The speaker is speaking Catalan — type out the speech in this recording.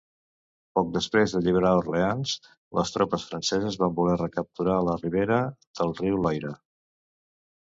Poc després d'alliberar Orleans, les tropes franceses van voler recapturar la ribera del riu Loira.